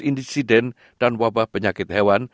insiden dan wabah penyakit hewan